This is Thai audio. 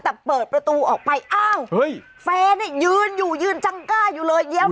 แต่เปิดประตูออกไปอ้าวเฮ้ยแฟนเนี่ยยืนอยู่ยืนจังก้าอยู่เลย